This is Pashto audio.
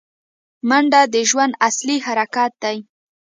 منډه د ژوند اصلي حرکت دی